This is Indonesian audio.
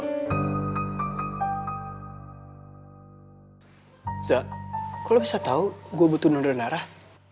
loza kok lo bisa tau gue butuh pendonor darah